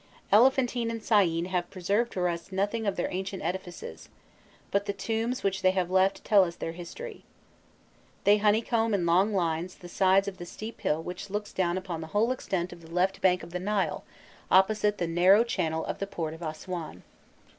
Elephantine and Syene have preserved for us nothing of their ancient edifices; but the tombs which they have left tell us their history. They honeycomb in long lines the sides of the steep hill which looks down upon the whole extent of the left bank of the Nile opposite the narrow channel of the port of Aswan.